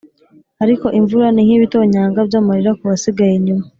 ariko imvura ni nkibitonyanga byamarira kubasigaye inyuma,